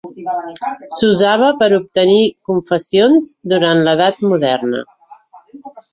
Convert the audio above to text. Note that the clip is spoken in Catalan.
S'usava per a obtenir confessions durant l'Edat Moderna.